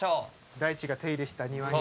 大知が手入れした庭に。